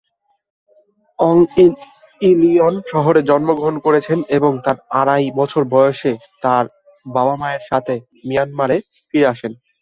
অং Illinois শহরে জন্মগ্রহণ করেছিলেন এবং তার আড়াই বছর বয়সে তার বাবা-মায়ের সাথে মিয়ানমারে ফিরে আসেন।